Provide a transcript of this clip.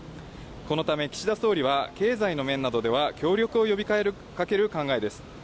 このため、岸田総理は、経済の面などでは協力を呼びかける考えです。